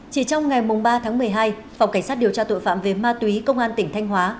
chỉ trong ngày ba tháng một mươi hai phòng cảnh sát điều tra tội phạm về ma túy công an tỉnh thanh hóa